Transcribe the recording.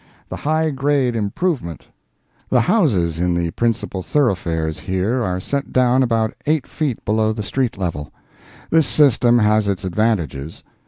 THE "HIGH GRADE" IMPROVEMENT The houses in the principal thoroughfares here are set down about eight feet below the street level. This system has its advantages.